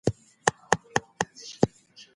تجاران د بازار حال څاري.